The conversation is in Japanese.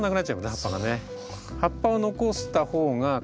葉っぱがね。